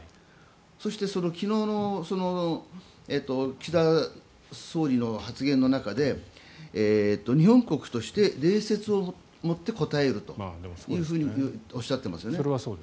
そして昨日の岸田総理の発言の中で日本国として礼節を持って応えるとおっしゃっていますよね。